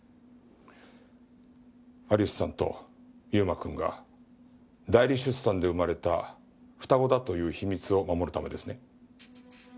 アリスさんと優馬くんが代理出産で生まれた双子だという秘密を守るためですね。